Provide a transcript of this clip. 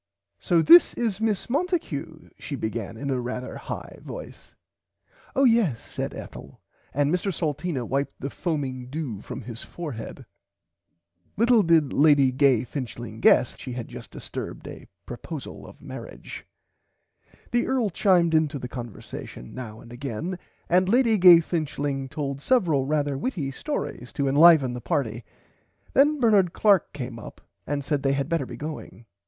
So this is Miss Monticue she began in a rarther high voice. Oh yes said Ethel and Mr Salteena wiped the foaming dew from his forehead. Little did Lady [Pg 86] Gay Finchling guess she had just disturbed a proposal of marrage. The Earl chimed into the conversation now and again and Lady Gay Finchling told several rarther witty stories to enliven the party. Then Bernard Clark came up and said they had better be going.